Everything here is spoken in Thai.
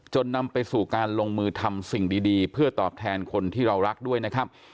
นำไปสู่การลงมือทำสิ่งดีเพื่อตอบแทนคนที่เรารักด้วยนะครับ